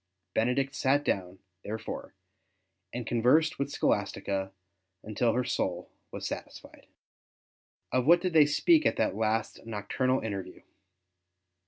Benedict sat down, therefore, and conversed v/ith Scholastica until her soul was satisfied. Of what did they speak in that last nocturnal interview